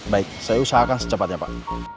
baik saya usahakan secepatnya pak